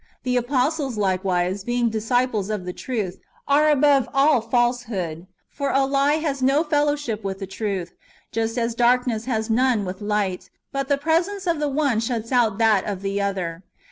^ The apostles, likewise, being disciples of the truth, are above all falsehood ; for a lie has no fellowship with the truth, just as darkness has none with light, but the presence of the one shuts out that of the other.